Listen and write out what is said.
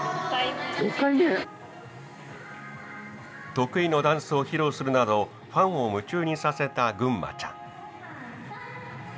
得意のダンスを披露するなどファンを夢中にさせたぐんまちゃん。